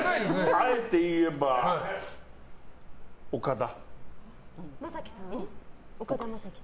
あえて言えば、岡田。